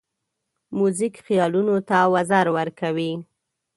موزیک خیالونو ته وزر ورکوي.